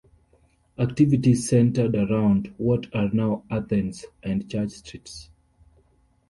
Activities centered around what are now Athens and Church streets.